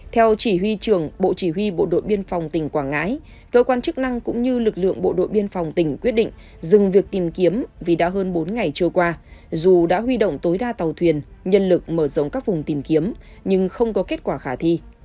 theo chỉ huy trưởng bộ chỉ huy bộ đội biên phòng tỉnh quảng ngãi cơ quan chức năng cũng như lực lượng bộ đội biên phòng tỉnh quyết định dừng việc tìm kiếm vì đã hơn bốn ngày trôi qua dù đã huy động tối đa tàu thuyền nhân lực mở rộng các vùng tìm kiếm nhưng không có kết quả khả thi